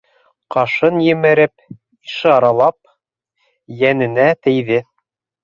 Ҡашын емереп, ишаралап, йәненә тейҙе.